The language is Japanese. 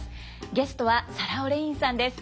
ゲストはサラ・オレインさんです。